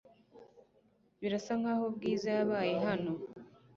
Birasa nkaho Bwiza yabaye hano .